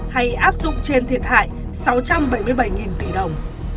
hay áp dụng trên thiệt hại sáu trăm bảy mươi bảy tỷ đồng